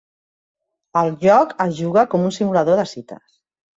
El joc es juga com un simulador de cites.